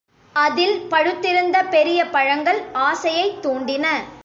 அதில் பழுத்திருந்த பெரிய பழங்கள் ஆசையைத் தூண்டின.